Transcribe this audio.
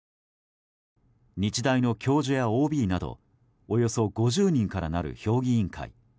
日大の教授やＯＢなどおよそ５０人からなる評議員会。